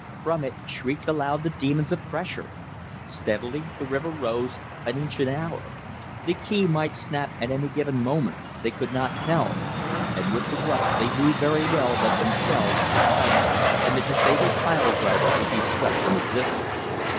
From it shrieked aloud the demons of pressure. Steadily the river rose, an inch an hour. The key might snap at any given moment, they could not tell, and with the rush they knew very well that themselves, the tug, and the disabled piledriver would be swept from existence.